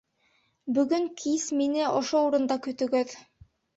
Бөгөн кис мине ошо урында көтөгөҙ.